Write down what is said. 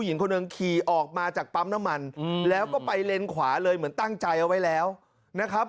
หญิงคนหนึ่งขี่ออกมาจากปั๊มน้ำมันแล้วก็ไปเลนขวาเลยเหมือนตั้งใจเอาไว้แล้วนะครับ